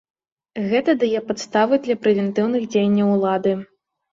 Гэта дае падставы для прэвентыўных дзеянняў улады.